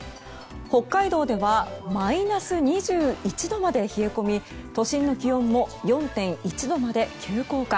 北海道ではマイナス２１度まで冷え込み都心の気温も４．１度まで急降下。